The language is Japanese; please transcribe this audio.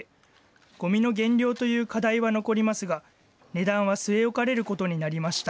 ごみの減量という課題は残りますが、値段は据え置かれることになりました。